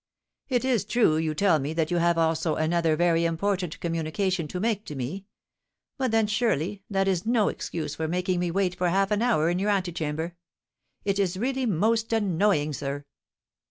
It is true you tell me that you have also another very important communication to make to me; but then, surely, that is no excuse for making me wait for half an hour in your antechamber: it is really most annoying, sir!"